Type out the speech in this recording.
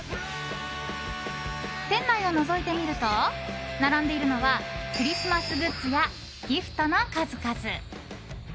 店内をのぞいてみると並んでいるのはクリスマスグッズやギフトの数々。